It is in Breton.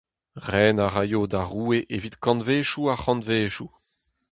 Ren a raio da roue evit kantvedoù ar c’hantvedoù !